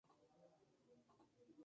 Dicho de otra manera, es la copia.